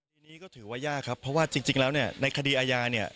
ทีนี้ก็ถือว่ายากครับเพราะว่าจริงแล้วเนี่ยในคดีอาญาเนี่ย